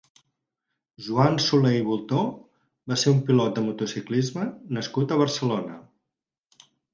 Joan Soler i Bultó va ser un pilot de motociclisme nascut a Barcelona.